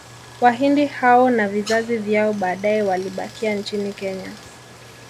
Wahindi hao na vizazi vyao baadae walibakia nchini Kenya